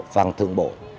phần thượng bộ